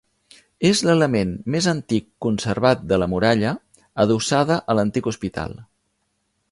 És l'element més antic conservat de la muralla, adossada a l'antic hospital.